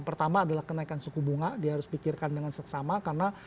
pertama adalah kenaikan suku bunga dia harus pikirkan dengan seksama karena